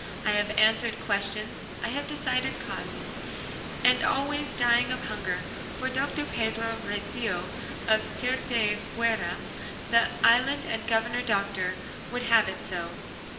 I have answered questions, I have decided causes, and always dying of hunger, for Doctor Pedro Recio of Tirteafuera, the island and governor doctor, would have it so.